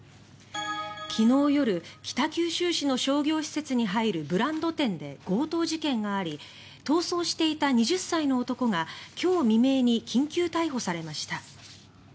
昨日夜、北九州市の商業施設に入るブランド店で強盗事件があり逃走していた２０歳の男が今日未明に緊急逮捕されました。